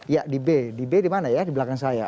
ya di b di b di mana ya di belakang saya